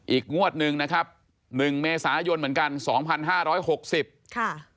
อีกงวดหนึ่งนะครับ๑เมษายนเหมือนกัน๒๕๖๐บาท